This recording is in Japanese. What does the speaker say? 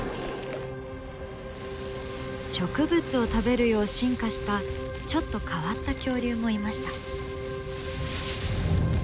植物を食べるよう進化したちょっと変わった恐竜もいました。